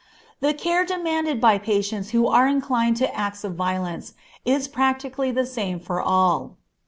The care demanded by patients who are inclined to acts of violence is practically the same for all.